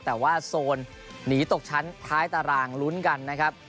แต่ว่าโซนหนีตกชั้นท้ายตารางลุ้นกันนะครับ